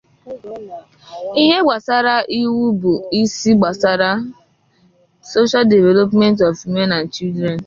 Ihe gbasara iwu bụ isi gbasara 'Social Development of Women and Children'.